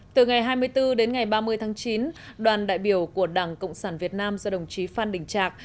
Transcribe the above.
từ ngày hai mươi bốn đến ngày ba mươi tháng chín đoàn đại biểu của đảng cộng sản việt nam do đồng chí phan đình trạc